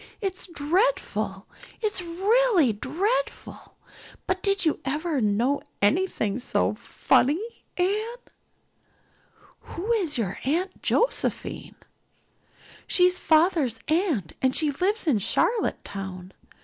It's dreadful it's really dreadful but did you ever know anything so funny, Anne?" "Who is your Aunt Josephine?" "She's father's aunt and she lives in Charlottetown.